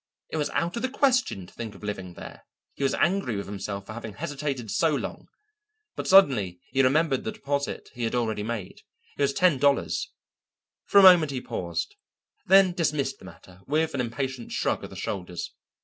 It was out of the question to think of living there; he was angry with himself for having hesitated so long. But suddenly he remembered the deposit he had already made; it was ten dollars; for a moment he paused, then dismissed the matter with an impatient shrug of the shoulders.